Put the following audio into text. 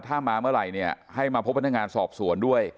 ถ้ามาเมื่อไหร่เนี่ยให้มาพบพนักงานสอบสวนด้วย